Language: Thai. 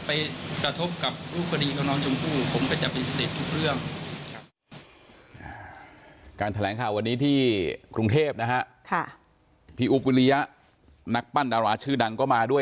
ผมก็จะเป็นเศรษฐ์ทุกเรื่อง